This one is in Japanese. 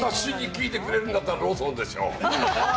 私に聞いてくれるんだったら、ローソンでしょう。